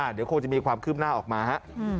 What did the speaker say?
เดี๋ยวคงจะมีความคืบหน้าออกมาฮะ